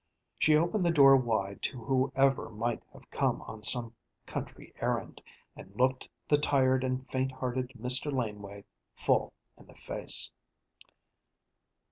She opened the door wide to whoever might have come on some country errand, and looked the tired and faint hearted Mr. Laneway full in the face.